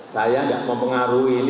saya gak mau mengarutkan